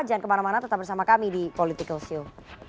jangan kemana mana tetap bersama kami di political show